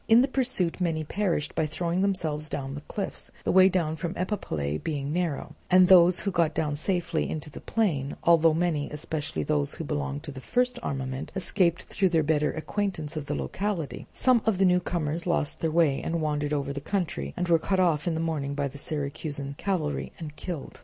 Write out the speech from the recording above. In the pursuit many perished by throwing themselves down the cliffs, the way down from Epipolae being narrow; and of those who got down safely into the plain, although many, especially those who belonged to the first armament, escaped through their better acquaintance with the locality, some of the newcomers lost their way and wandered over the country, and were cut off in the morning by the Syracusan cavalry and killed.